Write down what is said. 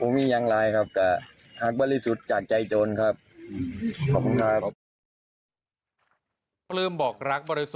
ผมมียังร้ายครับกับรักบริสุทธิ์จากใจโจรครับขอบคุณครับ